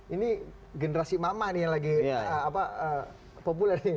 ini generasi mama nih yang lagi populer nih